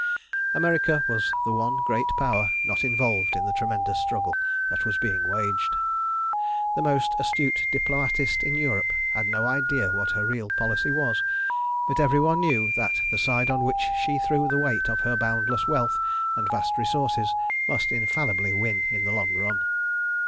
America was the one great Power not involved in the tremendous struggle that was being waged. The most astute diplomatist in Europe had no idea what her real policy was, but every one knew that the side on which she threw the weight of her boundless wealth and vast resources must infallibly win in the long run.